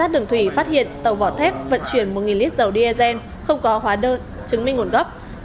dầu vỏ thép vận chuyển một lít dầu d e zen không có hóa đơn chứng minh nguồn gốc